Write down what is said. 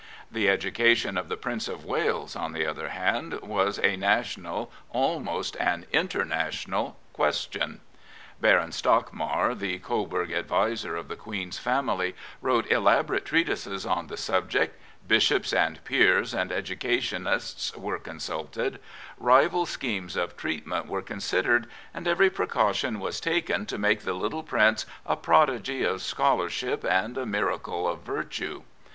The education of the Prince of Wales, on the other hand, was a national, almost an international question. Baron Stockmar, the Coburg adviser of the Queen's family, wrote elaborate treatises on the subject, bishops and peers and educationists were consulted, rival schemes of treatment were considered, and every precaution was taken to make the little Prince a ania miracle of yirtne.